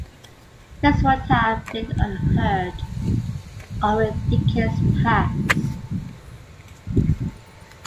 This would have been unheard of in decades past.